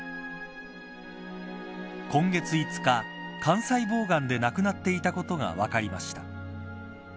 今月５日肝細胞がんで亡くなっていたことが分かりました。